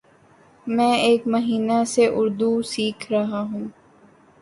میں ایک مہینہ سے اردو سیکھرہاہوں